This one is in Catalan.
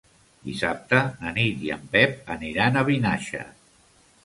Dissabte na Nit i en Pep aniran a Vinaixa.